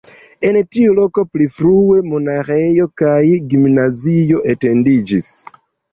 En tiu loko pli frue monaĥejo kaj gimnazio etendiĝis.